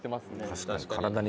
確かに。